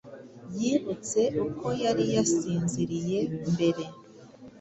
Yibutse uko yari yasinziriye mbere,